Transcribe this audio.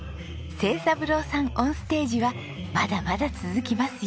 成三郎さんオンステージはまだまだ続きますよ。